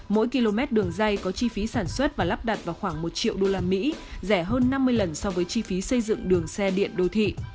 mỗi km đường dây có chi phí sản xuất và lắp đặt vào khoảng một triệu usd rẻ hơn năm mươi lần so với chi phí xây dựng đường xe điện đô thị